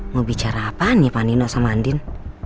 mau bicara apaan ya pak nino sama andin